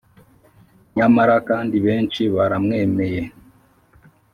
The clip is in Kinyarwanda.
. Nyamara kandi benshi baramwemeye.